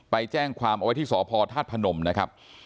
ไปแจ้งความเอาไว้ที่สพธาตุพนมนะครับ